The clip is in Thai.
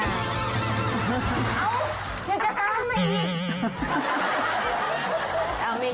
ยังจะตามมาอีก